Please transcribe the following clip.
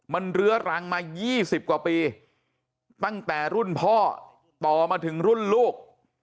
มันเรื้อรังมา๒๐กว่าปีตั้งแต่รุ่นพ่อต่อมาถึงรุ่นลูก